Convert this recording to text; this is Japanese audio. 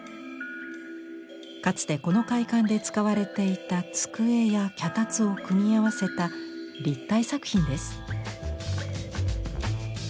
かつてこの会館で使われていた机や脚立を組み合わせた立体作品です。